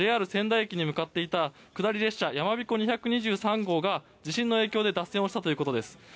ＪＲ仙台駅に向かっていた「やまびこ２２３号」が地震の影響で脱線したということです。